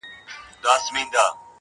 په شپه کي ګرځي محتسب د بلاګانو سره؛